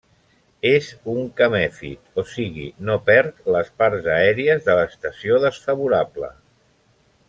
És un camèfit, o sigui, no perd les parts aèries a l'estació desfavorable.